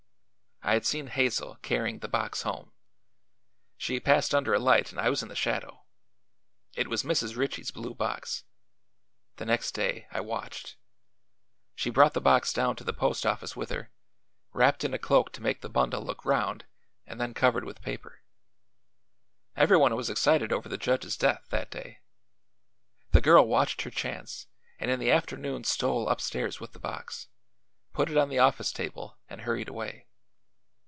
"I had seen Hazel carrying the box home. She passed under a light and I was in the shadow. It was Mrs. Ritchie's blue box. The next day I watched. She brought the box down to the post office with her, wrapped in a cloak to make the bundle look round, and then covered with paper. Everyone was excited over the judge's death, that day. The girl watched her chance and in the afternoon stole upstairs with the box, put it on the office table and hurried away.